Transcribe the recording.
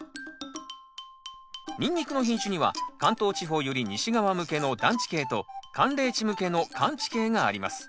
ニンニクの品種には関東地方より西側向けの暖地系と寒冷地向けの寒地系があります。